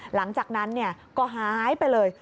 หลังจากนั้นก็หายไปเลย